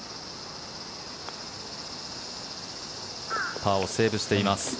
パーをセーブしています。